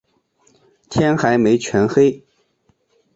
天还没全黑